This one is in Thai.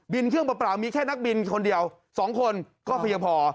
เครื่องเปล่ามีแค่นักบินคนเดียว๒คนก็เพียงพอ